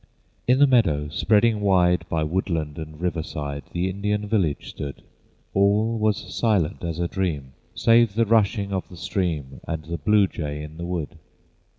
In the meadow, spreading wide By woodland and riverside The Indian village stood; All was silent as a dream, Save the rushing a of the stream And the blue jay in the wood.